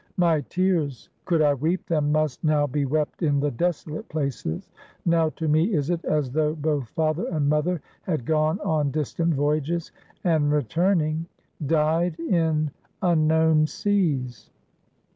My tears, could I weep them, must now be wept in the desolate places; now to me is it, as though both father and mother had gone on distant voyages, and, returning, died in unknown seas.